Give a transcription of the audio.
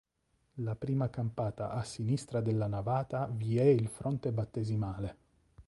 La prima campata a sinistra della navata vi è il fonte battesimale.